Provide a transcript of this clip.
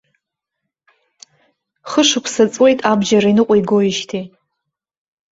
Хышықәса ҵуеит абџьар иныҟәнагоижьҭеи.